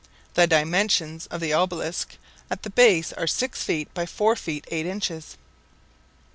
The dimensions of the obelisk at the base are six feet by four feet eight inches.